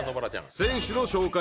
選手の紹介